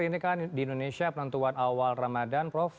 ini kan di indonesia penentuan awal ramadhan prof